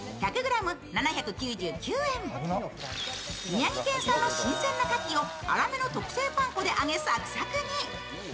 宮城県産の新鮮な牡蠣を粗めの特製パン粉で揚げ、サクサクに。